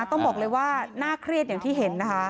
ต้องบอกเลยว่าน่าเครียดอย่างที่เห็นนะคะ